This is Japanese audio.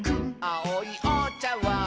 「あおいおちゃわん」